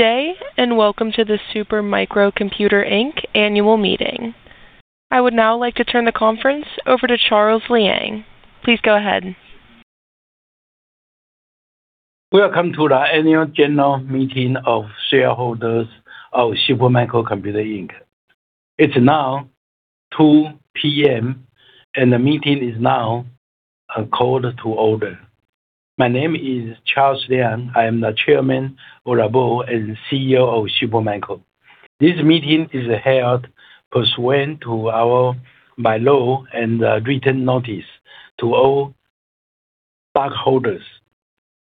Day, and welcome to the Super Micro Computer, Inc annual meeting. I would now like to turn the conference over to Charles Liang. Please go ahead. Welcome to the annual general meeting of shareholders of Super Micro Computer, Inc. It's now 2:00 P.M., and the meeting is now called to order. My name is Charles Liang. I am the chairman of the board and CEO of Super Micro. This meeting is held pursuant to our bylaw and a written notice to all stockholders.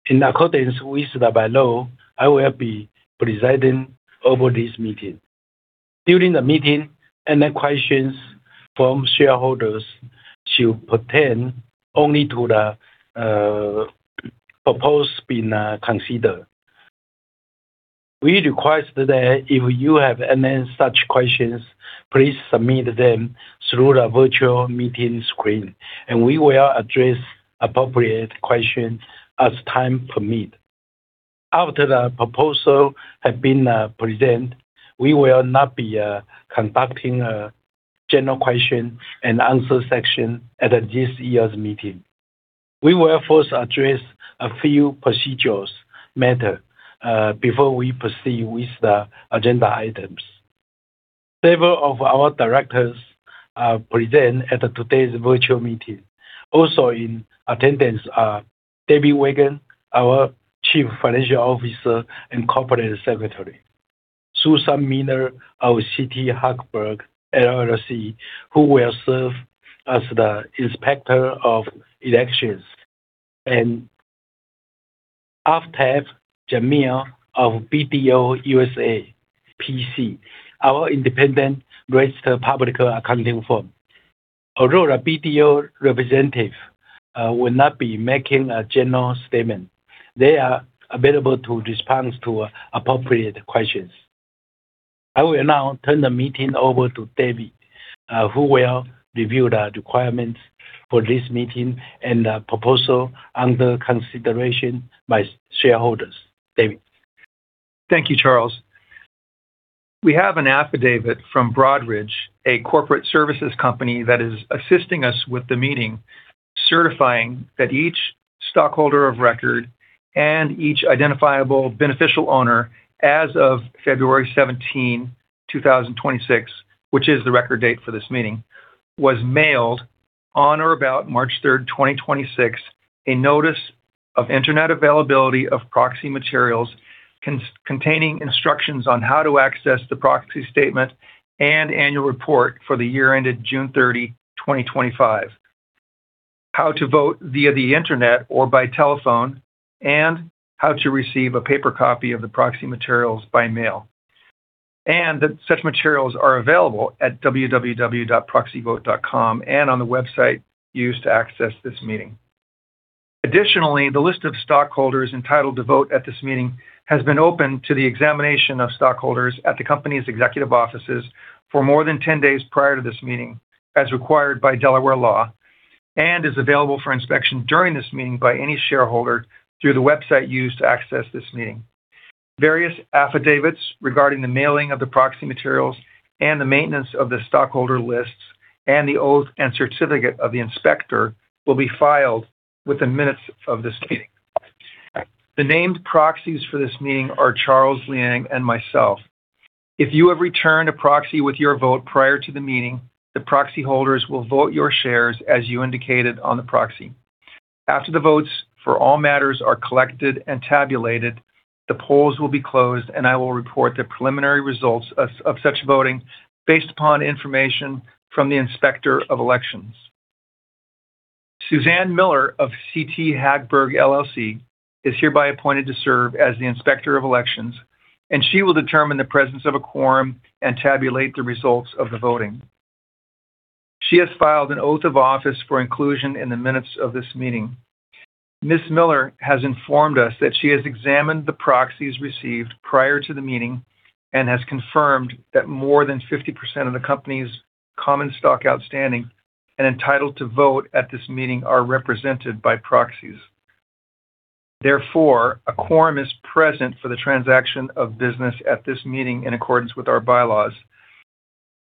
In accordance with the bylaw, I will be presiding over this meeting. During the meeting, any questions from shareholders should pertain only to the proposals being considered. We request that if you have any such questions, please submit them through the virtual meeting screen, and we will address appropriate questions as time permits. After the proposals have been presented, we will not be conducting a general question and answer section at this year's meeting. We will first address a few procedural matters before we proceed with the agenda items. Several of our directors are present at today's virtual meeting. Also in attendance are David Weigand, our Chief Financial Officer and Corporate Secretary, Suzanne Miller of CT Hagberg LLC, who will serve as the inspector of elections, and Aftab Jamil of BDO USA, P.C., our independent registered public accounting firm. Although the BDO representative will not be making a general statement, they are available to respond to appropriate questions. I will now turn the meeting over to David, who will review the requirements for this meeting and the proposals under consideration by shareholders. David. Thank you, Charles. We have an affidavit from Broadridge, a corporate services company that is assisting us with the meeting, certifying that each stockholder of record and each identifiable beneficial owner as of February 17, 2026, which is the record date for this meeting, was mailed on or about March 3rd, 2026, a Notice of Internet Availability of Proxy Materials containing instructions on how to access the proxy statement and annual report for the year ended June 30, 2025, how to vote via the internet or by telephone, and how to receive a paper copy of the proxy materials by mail, and that such materials are available at www.proxyvote.com and on the website used to access this meeting. Additionally, the list of stockholders entitled to vote at this meeting has been open to the examination of stockholders at the company's executive offices for more than 10 days prior to this meeting, as required by Delaware law, and is available for inspection during this meeting by any shareholder through the website used to access this meeting. Various affidavits regarding the mailing of the proxy materials and the maintenance of the stockholder lists and the oath and certificate of the inspector will be filed with the minutes of this meeting. The named proxies for this meeting are Charles Liang and myself. If you have returned a proxy with your vote prior to the meeting, the proxy holders will vote your shares as you indicated on the proxy. After the votes for all matters are collected and tabulated, the polls will be closed, and I will report the preliminary results of such voting based upon information from the inspector of elections. Suzanne Miller of CT Hagberg LLC is hereby appointed to serve as the inspector of elections, and she will determine the presence of a quorum and tabulate the results of the voting. She has filed an oath of office for inclusion in the minutes of this meeting. Ms. Miller has informed us that she has examined the proxies received prior to the meeting and has confirmed that more than 50% of the company's common stock outstanding and entitled to vote at this meeting are represented by proxies. Therefore, a quorum is present for the transaction of business at this meeting in accordance with our bylaws.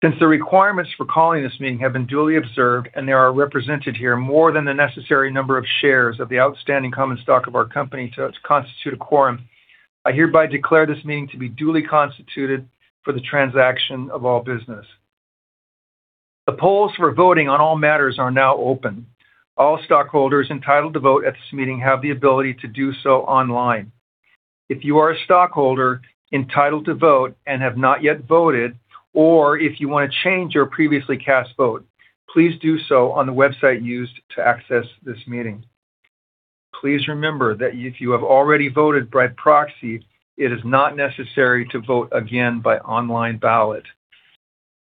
Since the requirements for calling this meeting have been duly observed and there are represented here more than the necessary number of shares of the outstanding common stock of our company to constitute a quorum, I hereby declare this meeting to be duly constituted for the transaction of all business. The polls for voting on all matters are now open. All stockholders entitled to vote at this meeting have the ability to do so online. If you are a stockholder entitled to vote and have not yet voted, or if you want to change your previously cast vote, please do so on the website used to access this meeting. Please remember that if you have already voted by proxy, it is not necessary to vote again by online ballot.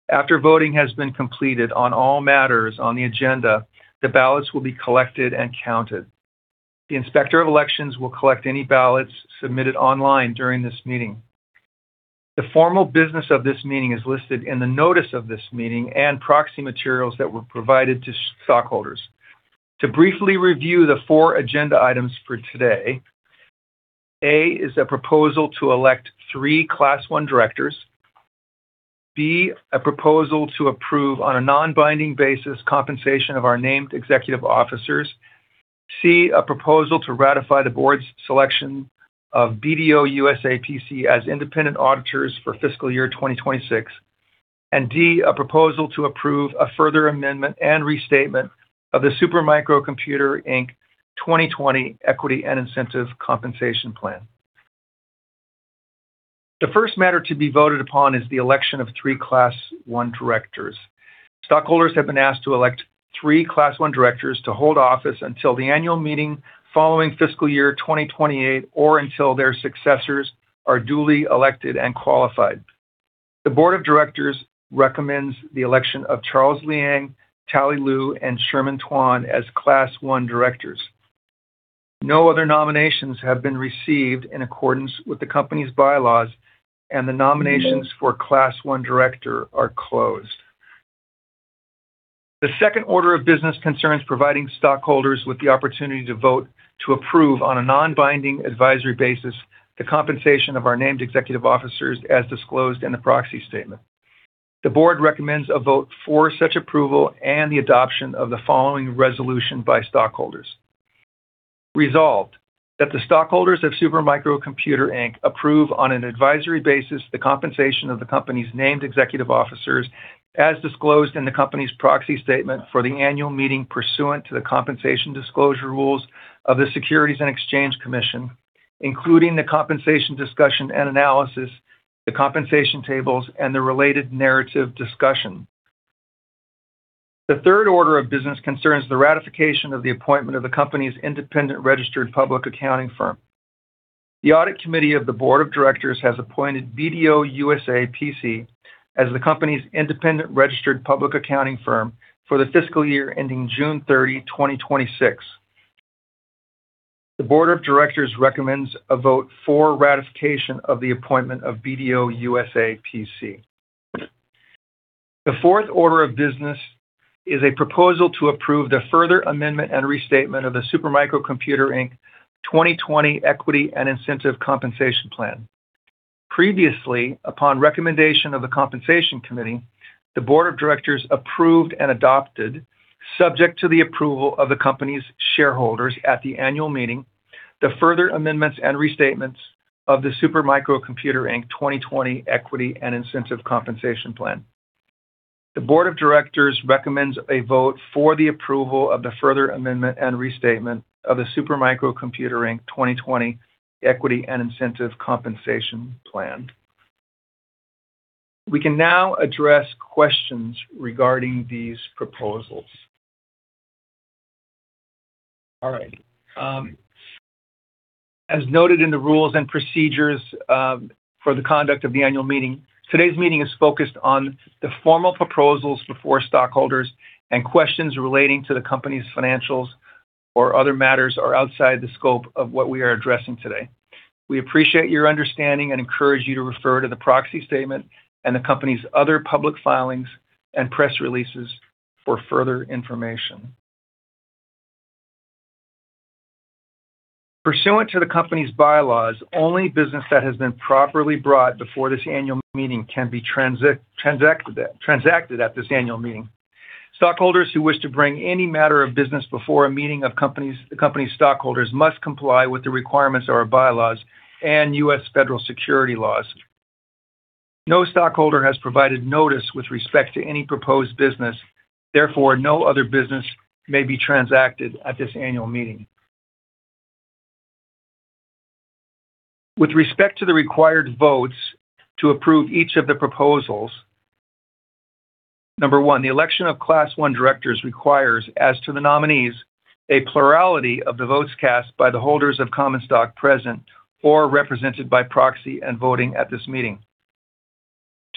After voting has been completed on all matters on the agenda, the ballots will be collected and counted. The inspector of elections will collect any ballots submitted online during this meeting. The formal business of this meeting is listed in the notice of this meeting and proxy materials that were provided to stockholders. To briefly review the four agenda items for today: A, is a proposal to elect three Class One directors. B, a proposal to approve, on a non-binding basis, compensation of our named executive officers. C, a proposal to ratify the board's selection of BDO USA, P.C. as independent auditors for fiscal year 2026. D, a proposal to approve a further amendment and restatement of the Super Micro Computer, Inc 2020 Equity and Incentive Compensation Plan. The first matter to be voted upon is the election of three Class One directors. Stockholders have been asked to elect three Class One directors to hold office until the annual meeting following fiscal year 2028, or until their successors are duly elected and qualified. The board of directors recommends the election of Charles Liang, Tally Liu, and Sherman Tuan as Class One directors. No other nominations have been received in accordance with the company's bylaws, and the nominations for Class One director are closed. The second order of business concerns providing stockholders with the opportunity to vote to approve on a non-binding advisory basis the compensation of our named executive officers as disclosed in the proxy statement. The board recommends a vote for such approval and the adoption of the following resolution by stockholders. Resolved, that the stockholders of Super Micro Computer, Inc approve on an advisory basis the compensation of the company's named executive officers, as disclosed in the company's proxy statement for the annual meeting pursuant to the compensation disclosure rules of the Securities and Exchange Commission, including the compensation discussion and analysis, the compensation tables, and the related narrative discussion. The third order of business concerns the ratification of the appointment of the company's independent registered public accounting firm. The audit committee of the board of directors has appointed BDO USA, P.C. as the company's independent registered public accounting firm for the fiscal year ending June 30, 2026. The board of directors recommends a vote for ratification of the appointment of BDO USA, P.C. The fourth order of business is a proposal to approve the further amendment and restatement of the Super Micro Computer, Inc 2020 Equity and Incentive Compensation Plan. Previously, upon recommendation of the Compensation Committee, the board of directors approved and adopted, subject to the approval of the company's shareholders at the annual meeting, the further amendments and restatements of the Super Micro Computer, Inc 2020 Equity and Incentive Compensation Plan. The board of directors recommends a vote for the approval of the further amendment and restatement of the Super Micro Computer Inc 2020 Equity and Incentive Compensation Plan. We can now address questions regarding these proposals. All right. As noted in the rules and procedures for the conduct of the annual meeting, today's meeting is focused on the formal proposals before stockholders, and questions relating to the company's financials or other matters are outside the scope of what we are addressing today. We appreciate your understanding and encourage you to refer to the proxy statement and the company's other public filings and press releases for further information. Pursuant to the company's bylaws, only business that has been properly brought before this annual meeting can be transacted at this annual meeting. Stockholders who wish to bring any matter of business before a meeting of the company's stockholders must comply with the requirements of our bylaws and U.S. federal securities laws. No stockholder has provided notice with respect to any proposed business, therefore, no other business may be transacted at this annual meeting. With respect to the required votes to approve each of the proposals, number one, the election of Class One directors requires, as to the nominees, a plurality of the votes cast by the holders of common stock present or represented by proxy and voting at this meeting.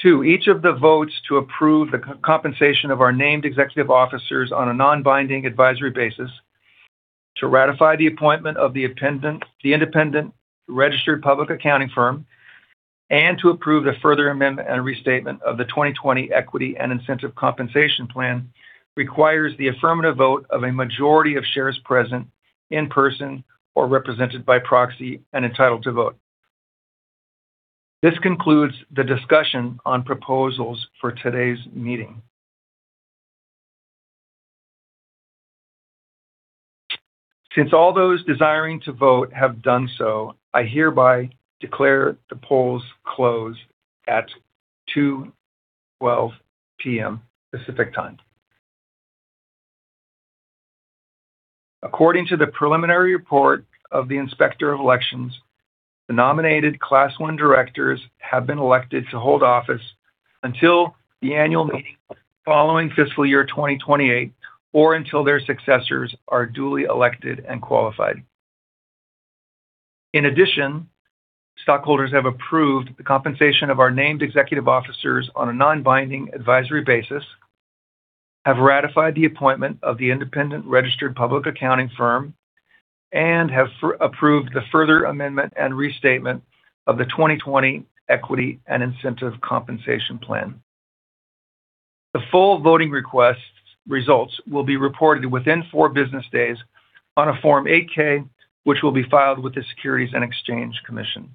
Two, each of the votes to approve the compensation of our named executive officers on a non-binding advisory basis, to ratify the appointment of the independent registered public accounting firm, and to approve the further amendment and restatement of the 2020 Equity and Incentive Compensation Plan requires the affirmative vote of a majority of shares present in person or represented by proxy and entitled to vote. This concludes the discussion on proposals for today's meeting. Since all those desiring to vote have done so, I hereby declare the polls closed at 2:12 P.M. Pacific Time. According to the preliminary report of the Inspector of Elections, the nominated Class One directors have been elected to hold office until the annual meeting following fiscal year 2028, or until their successors are duly elected and qualified. In addition, stockholders have approved the compensation of our named executive officers on a non-binding advisory basis, have ratified the appointment of the independent registered public accounting firm, and have approved the further amendment and restatement of the 2020 Equity and Incentive Compensation Plan. The full voting results will be reported within four business days on a Form 8-K, which will be filed with the Securities and Exchange Commission.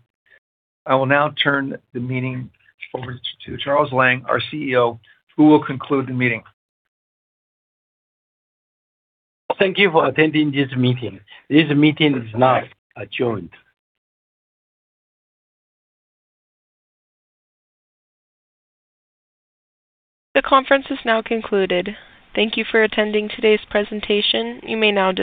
I will now turn the meeting over to Charles Liang, our CEO, who will conclude the meeting. Thank you for attending this meeting. This meeting is now adjourned. The conference is now concluded. Thank you for attending today's presentation. You may now disconnect.